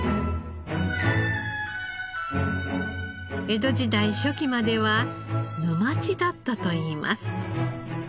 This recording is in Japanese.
江戸時代初期までは沼地だったといいます。